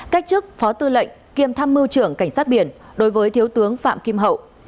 cách chức phó tư lệnh kiêm tham mưu trưởng cảnh sát biển đối với thiếu tướng phạm kim hậu